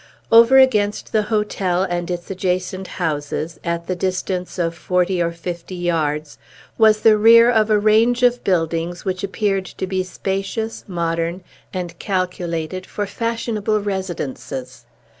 Over against the hotel and its adjacent houses, at the distance of forty or fifty yards, was the rear of a range of buildings which appeared to be spacious, modern, and calculated for fashionable residences.